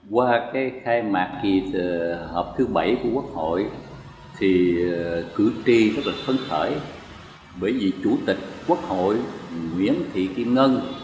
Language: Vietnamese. qua cái khai mạc kỳ họp thứ bảy của quốc hội thì cử tri rất là phấn khởi bởi vì chủ tịch quốc hội nguyễn thị kim ngân